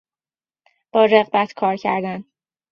با رغبت کار کردن